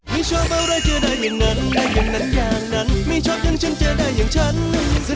ไม่ชอบอะไรจะได้อย่างนั้นไม่ชอบอย่างฉันจะได้อย่างฉัน